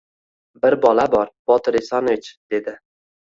— Bir bola bor, Botir Esonovich, — dedi_.